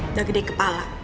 udah gede kepala